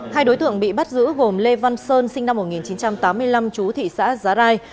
hai đối tượng bị bắt giữ gồm lê văn sơn sinh năm một nghìn chín trăm tám mươi năm chú thị xã giá rai